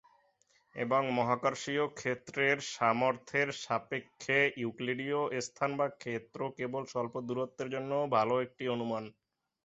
এবং মহাকর্ষীয় ক্ষেত্রের সামর্থ্যের সাপেক্ষে ইউক্লিডীয় স্থান বা ক্ষেত্র কেবল স্বল্প দূরত্বের জন্য ভাল একটি অনুমান।